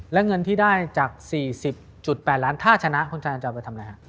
และเงินที่ได้จาก๔๐๘ล้านถ้าชนะคุณชายอันจะเอาไปทำอะไรฮะ